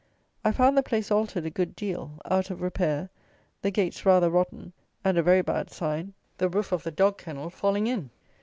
I found the place altered a good deal; out of repair; the gates rather rotten; and (a very bad sign!) the roof of the dog kennel falling in!